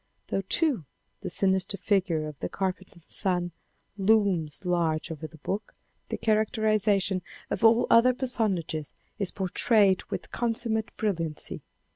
Though too the sinister figure of the carpenter's son looms large over the book, the characterization of all the other personages is portrayed with consummate xiv. INTRODUCTION brilliancy.